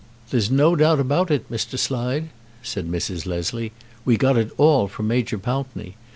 "There's no doubt about it, Mr. Slide," said Mrs. Leslie. "We got it all from Major Pountney.